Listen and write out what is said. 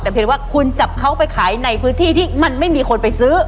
แต่เพียงว่าคุณจับเขาไปขายในพื้นที่ที่มันไม่มีคนไปซื้อ